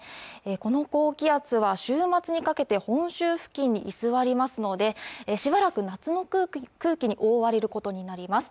この高気圧は週末にかけて本州付近に居座りますので暫く夏の空気に覆われることになります